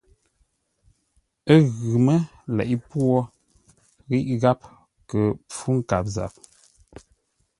Ə́ ghʉ mə́ leʼé pwô ghíʼ gháp kə́ pfú nkâp záp.